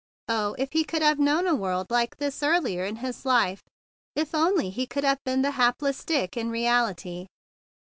Oh, if he could have known a world like this earlier in his life! If only he could have been the hapless Dick in reality!